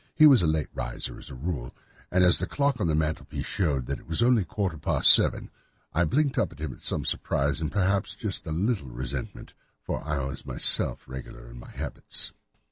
He was a late riser, as a rule, and as the clock on the mantelpiece showed me that it was only a quarter past seven, I blinked up at him in some surprise, and perhaps just a little resentment, for I was myself regular in my habits.